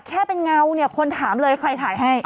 แค่เป็นเงาเนี่ยคนถามเลยใครถ่ายให้